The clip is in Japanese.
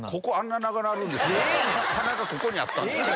鼻がここにあったんです。